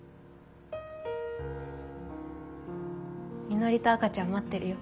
みのりと赤ちゃん待ってるよ。